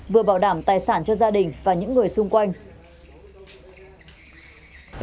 vừa bảo đảm tài sản cho gia đình và những người xung quanh